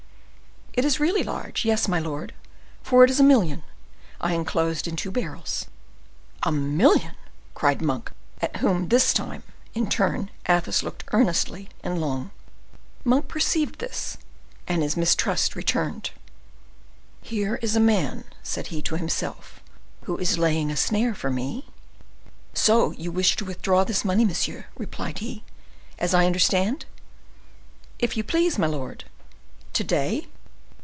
"It is really large; yes, my lord, for it is a million I inclosed in two barrels." "A million!" cried Monk, at whom this time, in turn, Athos looked earnestly and long. Monk perceived this, and his mistrust returned. "Here is a man," said he to himself, "who is laying a snare for me. So you wish to withdraw this money, monsieur," replied he, "as I understand?" "If you please, my lord." "To day?"